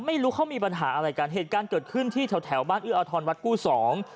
ไม่รู้เขามีปัญหาอะไรกันเหตุการณ์เกิดขึ้นที่แถวแถวบ้านเอื้ออทรวัดกู้สอง